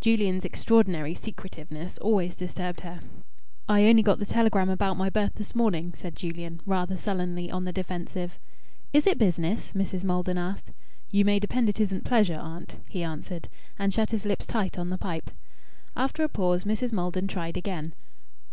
Julian's extraordinary secretiveness always disturbed her. "I only got the telegram about my berth this morning," said Julian, rather sullenly on the defensive. "Is it business?" Mrs. Maldon asked. "You may depend it isn't pleasure, aunt," he answered, and shut his lips tight on the pipe. After a pause Mrs. Maldon tried again.